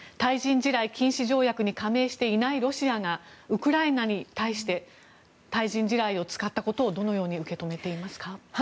地雷禁止条約に加盟していないロシアがウクライナに対して対人地雷を使ったことをどのように受け止めていますか。